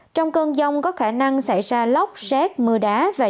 trong cơn dông có khả năng xảy ra lóc xét mưa đá